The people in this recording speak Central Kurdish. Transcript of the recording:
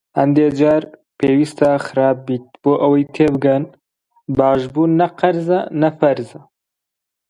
هەندێ جار پێویسـتە خراپ بیت بۆ ئەوەی تێبگەن باش بوون نەقـەرزە نە فـەرزە